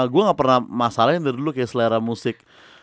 gue gak pernah masalahin dari dulu kayak selera musik